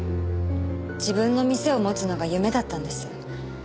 自分の店を持つのが夢だったんです。